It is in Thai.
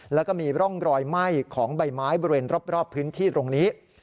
แล้วก็มีร่องรอยไหม้ของใบไม้บริเวณรอบพื้นที่ตรงนี้